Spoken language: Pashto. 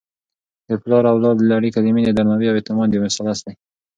د پلار او اولاد اړیکه د مینې، درناوي او اعتماد یو مثلث دی.